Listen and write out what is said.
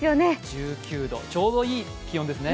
１９度、ちょうどいい気温ですね。